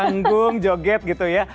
sanggung joget gitu ya